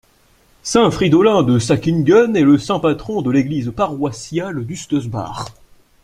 Saint Fridolin de Säckingen est le saint patron de l'église paroissiale d'Ustersbach.